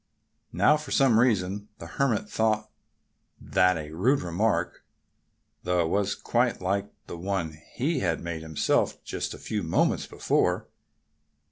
Now, for some reason the Hermit thought that a rude remark, though it was quite like one that he had made himself but a few moments before.